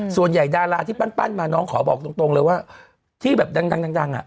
ส่วนใหญ่ดาราที่ปั้นมาน้องขอบอกตรงเลยว่าที่แบบดังอ่ะ